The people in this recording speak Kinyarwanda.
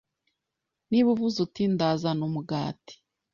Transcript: Niba uvuze uti Ndazana umugati’